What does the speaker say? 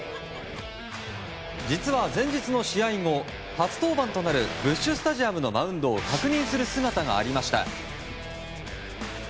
実は、前日の試合後初登板となるブッシュ・スタジアムのマウンドを確認する姿がありました。